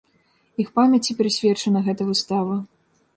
Іх памяці прысвечана гэта выстава.